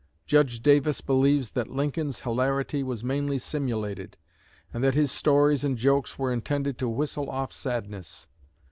Judge Davis believes that Lincoln's hilarity was mainly simulated, and that "his stories and jokes were intended to whistle off sadness."